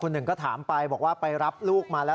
หนึ่งก็ถามไปบอกว่าไปรับลูกมาแล้ว